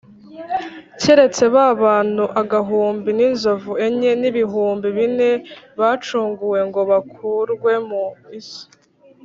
keretse ba bantu agahumbi n’inzovu enye n’ibihumbi bine bacunguwe ngo bakurwe mu isi.